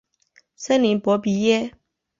森林博比耶。